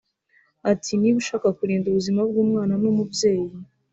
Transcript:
Ati “Niba ushaka kurinda ubuzima bw’umwana n’umubyeyi